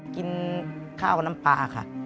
กินข้าวกับน้ำปลาค่ะ